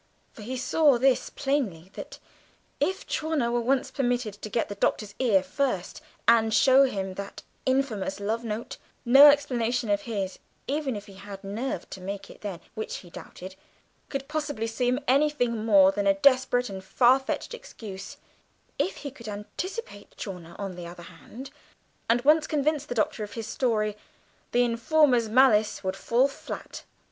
For he saw this plainly, that if Chawner were once permitted to get the Doctor's ear first and show him that infamous love note, no explanation of his (even if he had nerve to make it then, which he doubted) could possibly seem anything more than a desperate and far fetched excuse; if he could anticipate Chawner, on the other hand, and once convince the Doctor of the truth of his story, the informer's malice would fall flat.